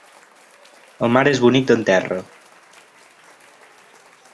El mar és bonic d'en terra.